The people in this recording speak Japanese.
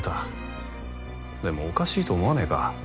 でもおかしいと思わねえか？